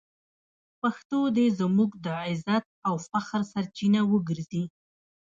پښتو دې زموږ د عزت او فخر سرچینه وګرځي.